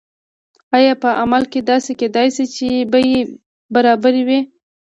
آیا په عمل کې داسې کیدای شي چې بیې برابرې وي؟